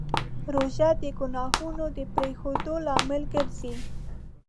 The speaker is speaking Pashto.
روژه د ګناهونو د پرېښودو لامل ګرځي.